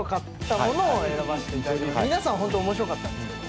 皆さんホント面白かったんですけど。